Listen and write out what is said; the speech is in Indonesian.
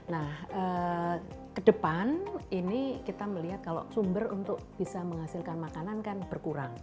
nah ke depan ini kita melihat kalau sumber untuk bisa menghasilkan makanan kan berkurang